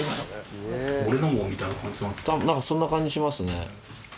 何かそんな感じしますね。